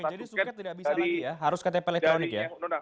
jadi suket tidak bisa lagi ya harus ktp elektronik ya